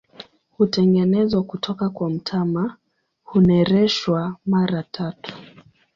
Hutengenezwa kutoka kwa mtama, hunereshwa mara tatu.